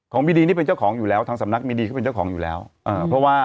ของมีดีนี่เป็นเจ้าของอยู่แล้วทางสำนักมีดีเขาเป็นเจ้าของอยู่แล้ว